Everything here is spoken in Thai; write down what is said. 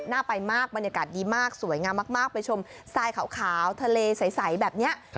ไปมากบรรยากาศดีมากสวยงามมากไปชมทรายขาวทะเลใสแบบนี้